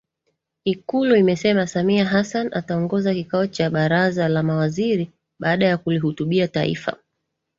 Ikulu imesema Samia Hassan ataongoza kikao cha baraza la mawaziri baada ya kulihutubia taifa